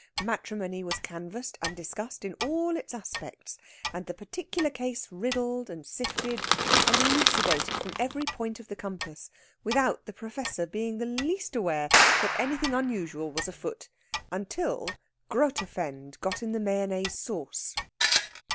Matrimony was canvassed and discussed in all its aspects, and the particular case riddled and sifted, and elucidated from every point of the compass, without the Professor being the least aware that anything unusual was afoot, until Grotefend got in the mayonnaise sauce.